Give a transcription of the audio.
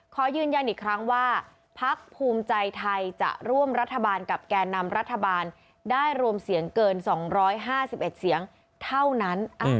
ขอยืนยันอีกครั้งว่าพักภูมิใจไทยจะร่วมรัฐบาลกับแก่นำรัฐบาลได้รวมเสียงเกิน๒๕๑เสียงเท่านั้น